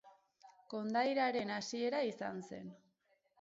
Kondairaren hasiera izan zen.